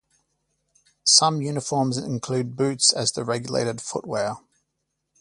Some uniforms include boots as the regulated footwear.